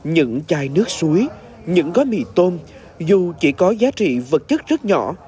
những chai nước suối những gói mì tôm dù chỉ có giá trị vật chất rất nhỏ